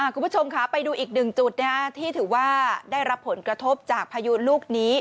คุณผู้ชมค่ะไปดูอีกหนึ่งจุดที่ถือว่าได้รับผลกระทบจากพายุลูกนี้